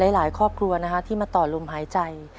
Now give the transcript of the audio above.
หลายครอบครัวที่มาต่อลมหายใจ